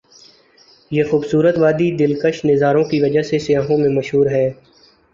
یہ خو بصورت وادی ا دل کش نظاروں کی وجہ سے سیاحوں میں مشہور ہے ۔